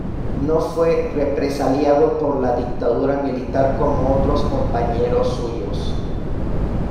No fue represaliado por la dictadura militar como otros compañeros suyos.